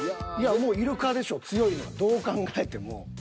イルカでしょ強いのはどう考えても。